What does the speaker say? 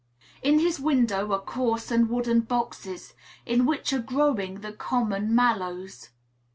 In his window are coarse wooden boxes, in which are growing the common mallows.